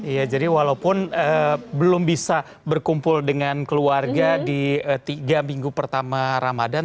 iya jadi walaupun belum bisa berkumpul dengan keluarga di tiga minggu pertama ramadan